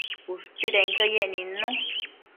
ushtuidenquio yec nidnu